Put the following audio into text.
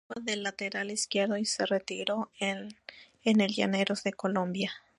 Jugaba de lateral izquierdo y se retiró en el Llaneros de Colombia.